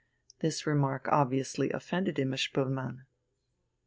This remark obviously offended Imma Spoelmann.